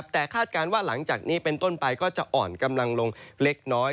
แต่คาดการณ์ว่าหลังจากนี้เป็นต้นไปก็จะอ่อนกำลังลงเล็กน้อย